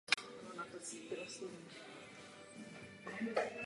Obyvatelé města žili podle dochovaných spisů na tu dobu ve velmi dobrých podmínkách.